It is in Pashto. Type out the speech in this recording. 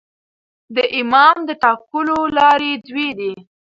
د امام د ټاکلو لاري دوې دي.